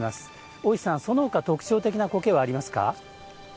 大石さん、その他特徴的な苔はありますか。